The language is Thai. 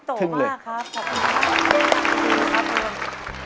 ขอบคุณพี่โตมากครับขอบคุณครับ